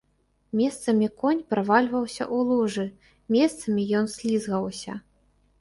Месцамі конь правальваўся ў лужы, месцамі ён слізгаўся.